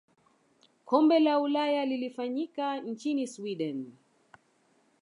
kombe la ulaya lilifanyika nchini sweden